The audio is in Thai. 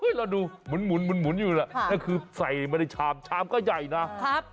ใครดูเหมือนหวุนอยู่น่ะคือใส่มาได้ชาติชาติก็ใหญ่นะ